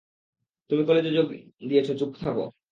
তুমি কলেজে যোগ দিয়েছ চুপ থাকো।